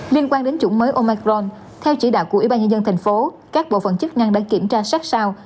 liên quan đến chủng mới omicron theo chỉ đạo của y bà nhà dân thành phố các bộ phận chức năng đã kiểm tra sát sao